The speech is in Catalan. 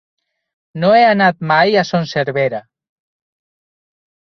No he anat mai a Son Servera.